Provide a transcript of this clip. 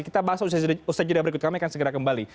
kita bahas pada usaha jadwal berikut kami akan segera kembali